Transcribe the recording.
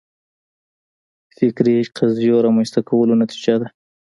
فکري قضیو رامنځته کولو نتیجه ده